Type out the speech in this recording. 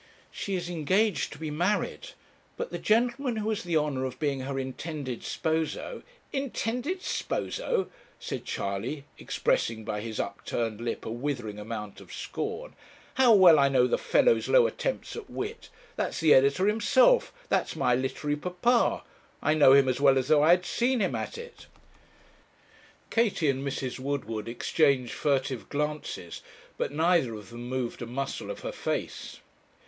She is engaged to be married, but the gentleman who has the honour of being her intended sposo ' 'Intended sposo!' said Charley, expressing by his upturned lip a withering amount of scorn 'how well I know the fellow's low attempts at wit! That's the editor himself that's my literary papa. I know him as well as though I had seen him at it.' Katie and Mrs. Woodward exchanged furtive glances, but neither of them moved a muscle of her face.